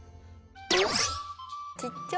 ちっちゃ！